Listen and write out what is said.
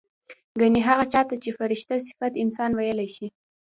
ګنې هغه چا ته چې فرشته صفت انسان وييلی شي